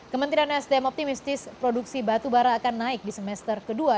kementerian sdm optimistis produksi batubara akan naik di semester kedua dua ribu tujuh belas